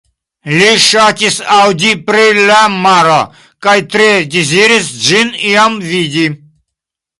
Li ŝatis aŭdi pri la maro, kaj tre deziris ĝin iam vidi.